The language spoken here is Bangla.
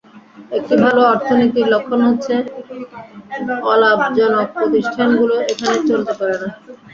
একটি ভালো অর্থনীতির লক্ষণ হচ্ছে, অলাভজনক প্রতিষ্ঠানগুলো এখানে চলতে পারে না।